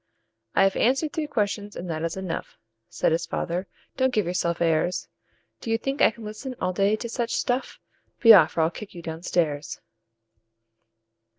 "I have answered three questions, and that is enough," Said his father. "Don't give yourself airs! Do you think I can listen all day to such stuff? Be off, or I'll kick you down stairs.